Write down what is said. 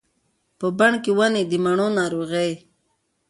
په بڼ کې ونې د مڼو، ناروغې